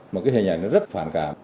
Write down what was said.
mà cái hình ảnh nó rất phản cảm